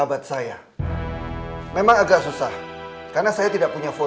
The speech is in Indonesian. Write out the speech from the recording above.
ada yang bisa diberikan kebenaran